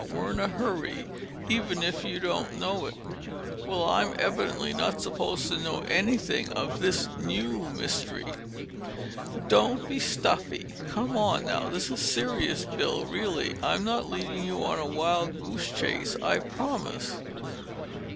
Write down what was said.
We're in a hurry, even if you don't know it." "Well, I'm evidently not supposed to know anything of this new mystery!" "Don't be stuffy! Come on, now. This is serious, Bill, really, I'm not leading you on a wild goose chase, I promise you."